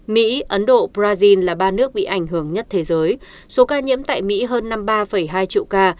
mỹ ấn độ brazil là ba nước bị ảnh hưởng nhất thế giới số ca nhiễm tại mỹ hơn năm mươi ba hai triệu ca